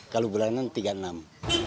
kalau bulanan tiga puluh enam